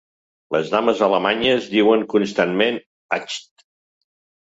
Les dames alemanyes diuen constantment "Ach!"